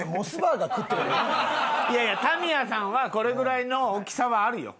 いやいやタミヤさんはこれぐらいの大きさはあるよ。